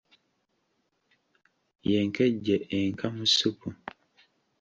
Ye nkejje enka mu ssupu.